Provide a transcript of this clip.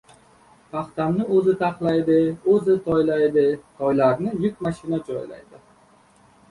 Paxtamni o‘zi taxlaydi, o‘zi toylaydi. Toylarni yuk mashina joylaydi.